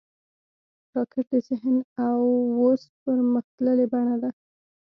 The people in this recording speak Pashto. راکټ د ذهن او وس پرمختللې بڼه ده